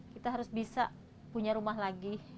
kita harus bisa punya rumah lagi